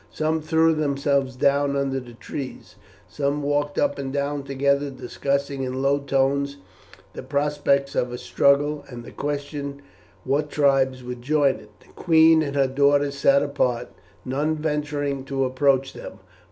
Some threw themselves down under the trees, some walked up and down together discussing in low tones the prospects of a struggle, and the question what tribes would join it. The queen and her daughters sat apart, none venturing to approach them.